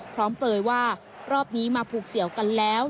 เปลยว่ารอบนี้มาผูกเสี่ยวกันแล้ว